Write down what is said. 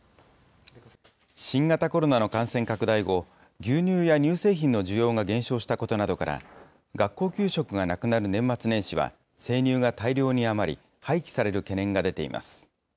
新型コロナの感染拡大後、牛乳や乳製品の需要が減少したことなどから、学校給食がなくなる年末年始は、生乳が大量に余り、廃棄される懸念が出ています。